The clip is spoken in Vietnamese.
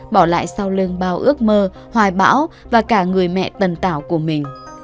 bỏ lại sau lương bao ước mơ hoài bão và cả người mẹ tần tảo của mình